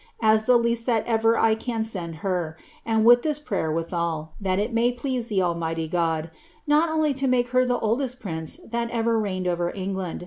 as the least that ever 1 can cenil her, and witb ibis pmyer withal, that it may please the Almighty God, not only to make her the oldest prince tiial erer rei^nied over En|jlan<l.